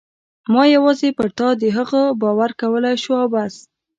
ما یوازې پر تا د هغه باور کولای شو او بس.